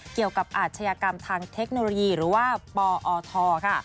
เกี่ยวกับอาชญากรรมทางเทคโนโลยีหรือว่าปอทค่ะ